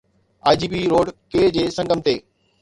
IJP road K جي سنگم تي